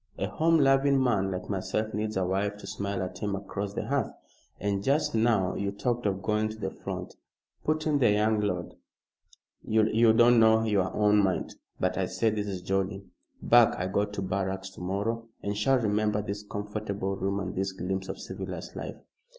A home loving man like myself needs a wife to smile at him across the hearth." "And just now you talked of going to the front," put in the young lord. "You don't know your own mind. But, I say, this is jolly. Back I go to barracks to morrow and shall remember this comfortable room and this glimpse of civilized life."